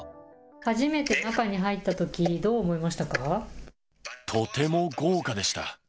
初めて中に入ったとき、とても豪華でした。